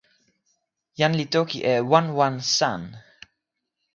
jan li toki e “wan wan san”.